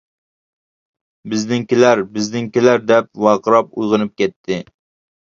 «بىزنىڭكىلەر، بىزنىڭكىلەر! » دەپ ۋارقىراپ ئويغىنىپ كەتتى.